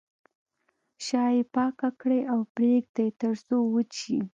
شا یې پاکه کړئ او پرېږدئ تر څو وچ شي.